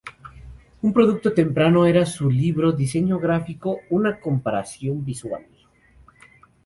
Un producto temprano era su libro diseño gráfico: Una comparación visual.